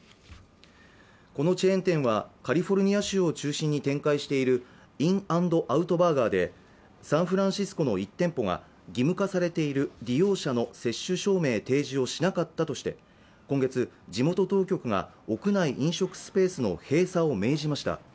このチェーン店はカリフォルニア州を中心に展開しているインアンドアウトバーガーでサンフランシスコの１店舗が義務化されている利用者の接種証明提示をしなかったとして今月、地元当局が屋内飲食スペースの閉鎖を命じました